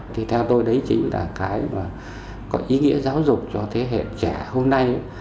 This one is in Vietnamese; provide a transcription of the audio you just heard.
thì theo tôi đấy chính là cái mà có ý nghĩa giáo dục cho thế hệ trẻ hôm nay